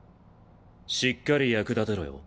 しっかり役立てろよ。